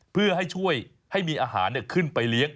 เพื่อให้ช่วยให้มีอาหารขึ้นไปเลี้ยง